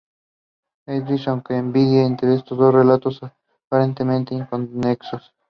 Eldritch, aunque dividida entre dos relatos aparentemente inconexos.